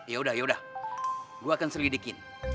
yaudah yaudah gua akan selidikin